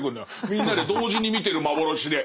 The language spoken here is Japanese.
みんなで同時に見てる幻で。